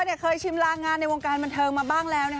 เธอนี่เคยชิมล้างงานในวงการบรรเทิร์มเมื่อบ้างแล้วอ่ะ